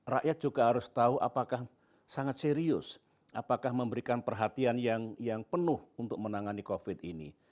rakyat juga harus tahu apakah sangat serius apakah memberikan perhatian yang penuh untuk menangani covid ini